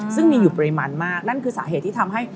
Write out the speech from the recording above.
ซึ่งมีอยู่ปริมาณมากนั่นคือสาเหตุที่ทำให้